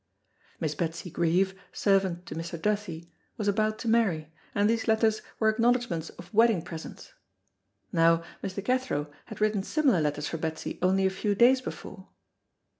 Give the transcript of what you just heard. Miss Betsy Grieve, servant to Mr. Duthie, was about to marry, and these letters were acknowledgments of wedding presents. Now, Mr. Cathro had written similar letters for Betsy only a few days before.